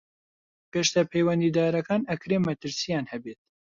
گەشتە پەیوەندیدارەکان ئەکرێ مەترسیان هەبێت.